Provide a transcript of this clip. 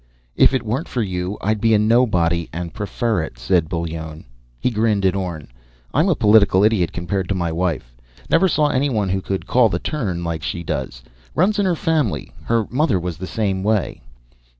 "If it weren't for you, I'd be a nobody and prefer it," said Bullone. He grinned at Orne. "I'm a political idiot compared to my wife. Never saw anyone who could call the turn like she does. Runs in her family. Her mother was the same way."